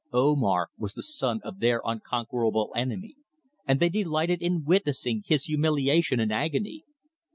Omar was the son of their unconquerable enemy, and they delighted in witnessing his humiliation and agony.